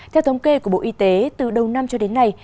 theo thống kê của bộ y tế từ đầu năm cho đến nay